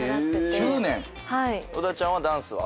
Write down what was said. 与田ちゃんはダンスは？